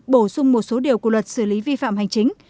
bổ sung một số điều của luật xử lý vi phạm hành chính